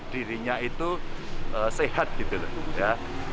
dirinya itu sehat gitu loh ya